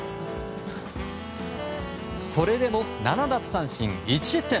それでも７奪三振１失点。